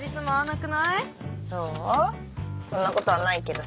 そんなことはないけどさ。